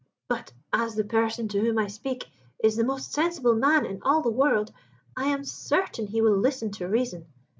But as the person to whom I speak is the most sensible man in all the world, I am certain he will listen to reason.